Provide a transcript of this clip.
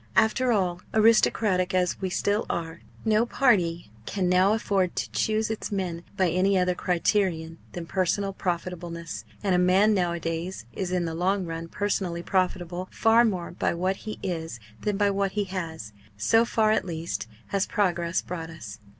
After all, aristocratic as we still are, no party can now afford to choose its men by any other criterion than personal profitableness. And a man nowadays is in the long run personally profitable, far more by what he is than by what he has so far at least has "progress" brought us.